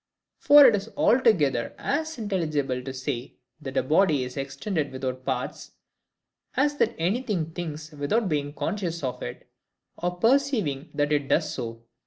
For it is altogether as intelligible to say that a body is extended without parts, as that anything thinks without being conscious of it, or perceiving that it does so.